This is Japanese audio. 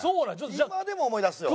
今でも思い出すよ。